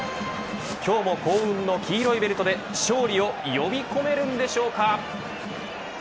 今日も幸運の黄色いベルトで勝利を呼び込めるんでしょうか。